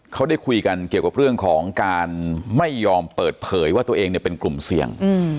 เขาได้คุยกันเกี่ยวกับเรื่องของการไม่ยอมเปิดเผยว่าตัวเองเนี่ยเป็นกลุ่มเสี่ยง